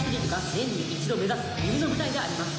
年に１度目指す夢の舞台であります・